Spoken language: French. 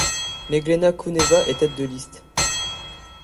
Meglena Kouneva est tête de liste.